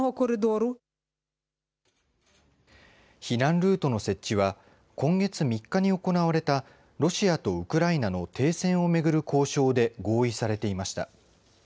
避難ルートの設置は今月３日に行われたロシアとウクライナの停戦を巡る交渉で合意されていました。